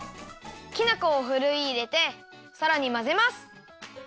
きな粉をふるいいれてさらにまぜます。